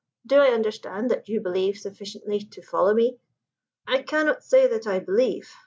Do I understand that you believe sufficiently to follow me?" "I cannot say that I believe.